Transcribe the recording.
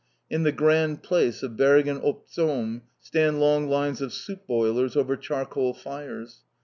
In the Grand Place of Bergen op Zoom stand long lines of soup boilers over charcoal fires.